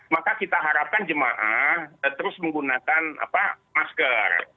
maka kita harapkan jemaah terus menggunakan masker